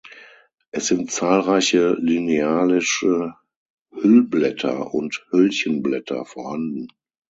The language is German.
Es sind zahlreiche linealische Hüllblätter und Hüllchenblätter vorhanden.